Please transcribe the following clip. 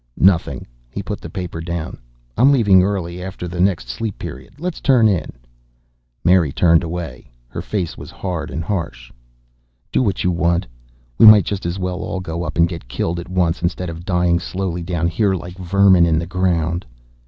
"Nothing." He put the paper down. "I'm leaving early after the next Sleep Period. Let's turn in." Mary turned away, her face hard and harsh. "Do what you want. We might just as well all go up and get killed at once, instead of dying slowly down here, like vermin in the ground."